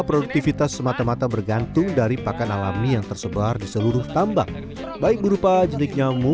produktivitas semata mata bergantung dari pakan alami yang tersebar di seluruh tambak baik berupa